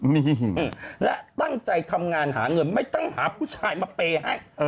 นี่และตั้งใจทำงานหาเงินไม่ต้องหาผู้ชายมาเปย์ให้